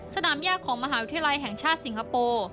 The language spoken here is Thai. สนามยากของมหาวิทยาลัยแห่งชาติสิงคโปร์